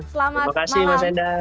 selamat malam terima kasih mas enda